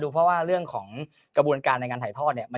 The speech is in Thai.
เพราะว่าเรื่องของกระบวนการในการถ่ายทอดเนี่ย